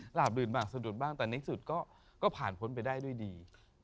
หลาบดื่นบ้างสะดุดบ้างแต่ในสุดก็ผ่านพ้นไปได้ด้วยดี